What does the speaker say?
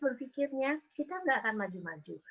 berpikirnya kita gak akan maju maju